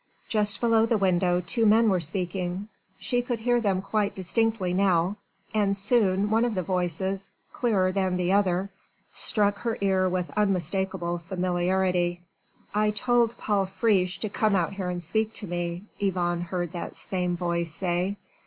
Just below the window two men were speaking. She could hear them quite distinctly now and soon one of the voices clearer than the other struck her ear with unmistakable familiarity. "I told Paul Friche to come out here and speak to me," Yvonne heard that same voice say.